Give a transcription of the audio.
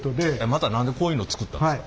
また何でこういうの作ったんですか？